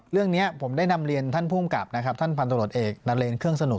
เรื่องนี้ผมได้นำเรียนท่านภูมิกับนะครับท่านพันตรวจเอกนาเรนเครื่องสนุก